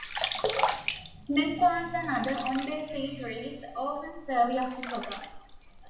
Mess halls and other on-base eateries often serve yakisoba.